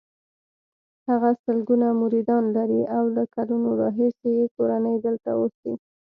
هغه سلګونه مریدان لري او له کلونو راهیسې یې کورنۍ دلته اوسي.